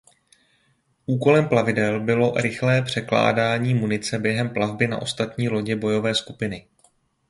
Úkolem plavidel bylo rychlé překládání munice během plavby na ostatní lodě bojové skupiny.